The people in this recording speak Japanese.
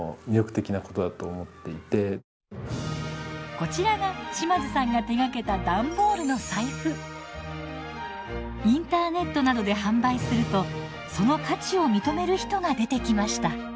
こちらが島津さんが手がけたインターネットなどで販売するとその価値を認める人が出てきました。